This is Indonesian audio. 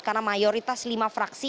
karena mayoritas lima fraksi